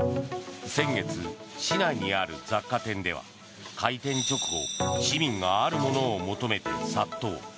先月、市内にある雑貨店では開店直後市民があるものを求めて殺到。